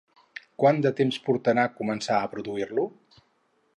Quant de temps portarà començar a produir-lo?